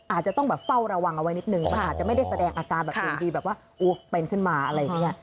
อาจจะต้องแบบเฝ้าระวังเอาไว้นิดนึงมันอาจจะไม่ได้แสดงอาการแบบอย่างดีแบบว่าเป็นขึ้นมาอะไรอย่างนี้